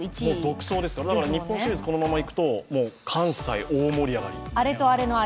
独走ですから、日本シリーズこのままいくと関西大盛り上がり。